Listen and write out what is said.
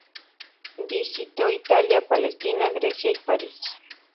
Visitó Italia, Palestina, Grecia y París.